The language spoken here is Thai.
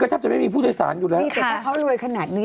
แทบจะไม่มีผู้โดยสารอยู่แล้วมีแต่ถ้าเขารวยขนาดนี้